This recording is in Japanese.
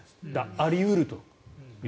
あり得るという。